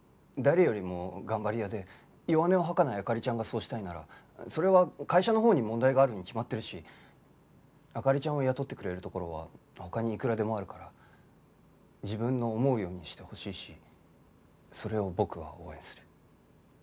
誰よりも頑張り屋で弱音を吐かない灯ちゃんがそうしたいならそれは会社のほうに問題があるに決まってるし灯ちゃんを雇ってくれるところは他にいくらでもあるから自分の思うようにしてほしいしそれを僕は応援する。